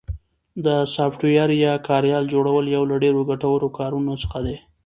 د سافټویر یا کاریال جوړل یو له ډېرو ګټورو کارونو څخه ده